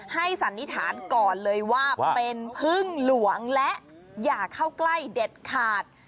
สันนิษฐานก่อนเลยว่าเป็นพึ่งหลวงและอย่าเข้าใกล้เด็ดขาด